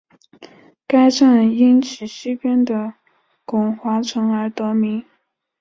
该站因其西边的巩华城而得名。